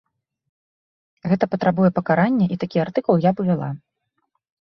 Гэта патрабуе пакарання, і такі артыкул я б увяла.